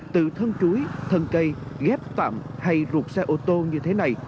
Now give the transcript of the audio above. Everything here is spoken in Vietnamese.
từ thân chuối thân cây ghép tạm hay rụt xe ô tô như thế này